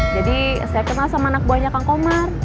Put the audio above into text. jadi saya kenal sama anak buahnya kang komar